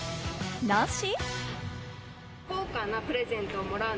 なし？